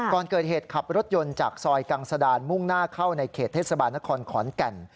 ก่อนเกิดเหตุขับรถยนต์จากซอยกังสดานมุ่งหน้าเข้าในเขตเทศบาลนครขอนแก่น